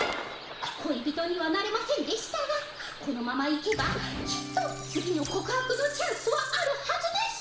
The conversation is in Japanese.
恋人にはなれませんでしたがこのままいけばきっと次の告白のチャンスはあるはずです！